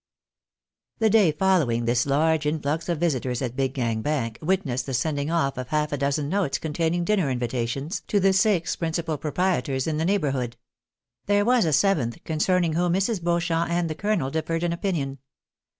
The day following this large influx of visitors at Big Gang Bank, witnessed the sending off of half a dozen notes containing dinner invitations to the six principal proprietors in the neighbourhood. 184 THE BAENABYS IN AMERICA. There was a seventh, concerning whom Mrs. Beauchamp and the colonel differed in opinion.